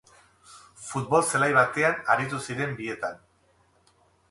Futbol zelai batean aritu ziren bietan.